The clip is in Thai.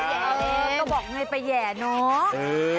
ก็บอกให้ไปแห่เนาะ